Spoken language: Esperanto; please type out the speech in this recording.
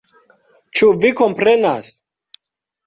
Ĉu vi komprenas??